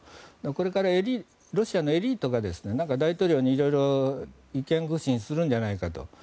これからロシアのエリートが大統領に色々意見具申するんじゃないかと。